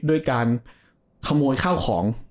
ด้วยการขโมยข้าวของ